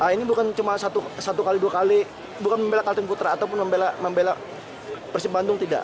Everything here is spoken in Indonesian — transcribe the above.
ini bukan cuma satu kali dua kali bukan membela kalteng putra ataupun membela persibandung tidak